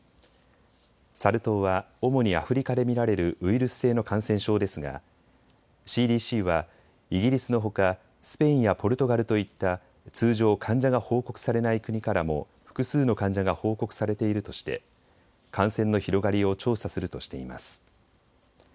サル痘は主にアフリカで見られるウイルス性の感染症ですがＣＤＣはイギリスのほかスペインやポルトガルといった通常、患者が報告されない国からも複数の患者が報告されているとして感染の広がりを調査するとしています。